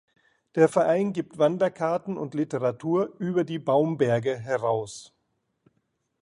Der Verein gibt Wanderkarten und Literatur über die Baumberge heraus.